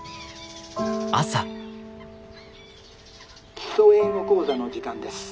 「『基礎英語講座』の時間です。